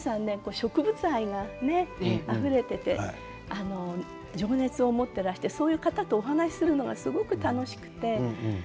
植物愛があふれていて情熱を持っていらしてそういう方とお話しするのがすごく楽しくて。